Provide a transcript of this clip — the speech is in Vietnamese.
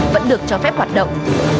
vẫn được cho phép hoạt động